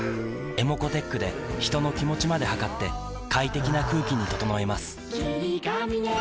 ｅｍｏｃｏーｔｅｃｈで人の気持ちまで測って快適な空気に整えます